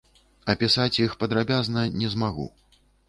Апісаць іх падрабязна не змагу.